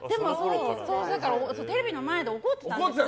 だから、テレビの前で怒ってたんですよ。